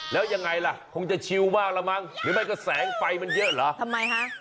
แล้วยังไงล่ะคงจะชิลมากแล้วมั้ง